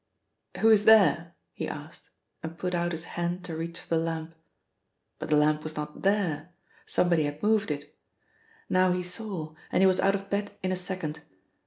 "Who is there?" he asked, and put out his hand to reach for the lamp. But the lamp was not there; somebody had moved it. Now he saw, and was out of bed in a second.